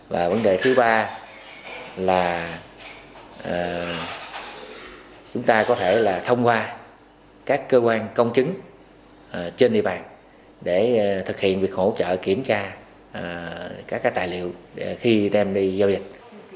và vấn đề thứ ba là chúng ta có thể là thông qua các cơ quan công chứng trên địa bàn để thực hiện việc hỗ trợ kiểm tra các tài liệu khi đem đi giao dịch